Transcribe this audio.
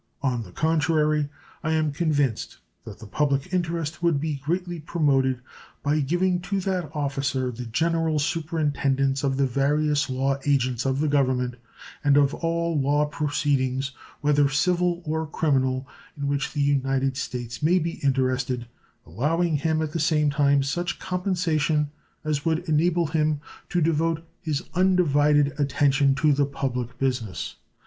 On the contrary, I am convinced that the public interest would be greatly promoted by giving to that officer the general superintendence of the various law agents of the Government, and of all law proceedings, whether civil or criminal, in which the United States may be interested, allowing him at the same time such compensation as would enable him to devote his undivided attention to the public business.